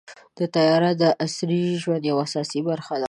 طیاره د عصري ژوند یوه اساسي برخه ده.